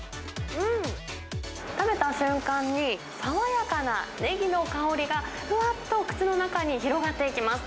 うん、食べた瞬間に、爽やかなねぎの香りが、ふわっと口の中に広がっていきます。